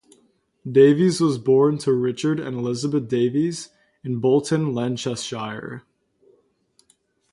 Davies was born to Richard and Elizabeth Davies in Bolton, Lancashire.